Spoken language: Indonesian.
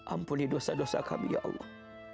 ampuni dosa dosa kami ya allah